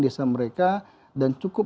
desa mereka dan cukup